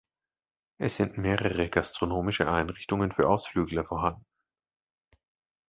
Es sind mehrere gastronomische Einrichtungen für Ausflügler vorhanden.